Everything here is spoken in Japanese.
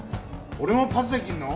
俺もパスできんの？